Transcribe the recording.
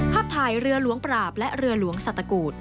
ภาพถ่ายเรือหลวงปราบและเรือหลวงสัตกูธ